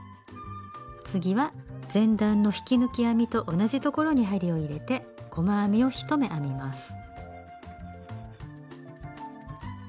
次は前段の引き抜き編みと同じところに針を入れて細編みを１目編みます。